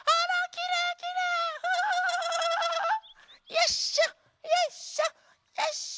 よいしょよいしょよいしょ。